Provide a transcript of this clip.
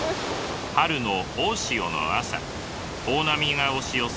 春の大潮の朝大波が押し寄せ